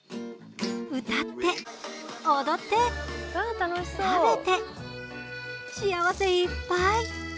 歌って、踊って、食べて幸せいっぱい！